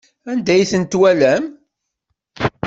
Anda ay tent-twalam?